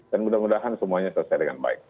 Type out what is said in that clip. dan mudah mudahan semuanya selesai dengan baik